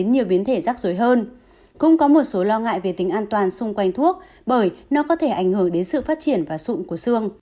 nhiều biến thể rắc rối hơn cũng có một số lo ngại về tính an toàn xung quanh thuốc bởi nó có thể ảnh hưởng đến sự phát triển và sụn của xương